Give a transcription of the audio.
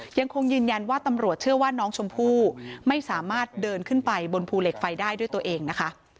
ยังคงยืนยันว่าตำรวจเชื่อว่าน้องชมพู่ไม่สามารถเดินขึ้นไปบนภูเหล็กไฟได้ด้วยตัวเองนะคะ